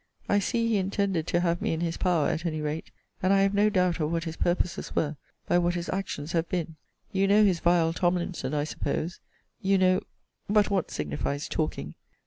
I see he intended to have me in his power at any rate; and I have no doubt of what his purposes were, by what his actions have been. You know his vile Tomlinson, I suppose You know But what signifies talking?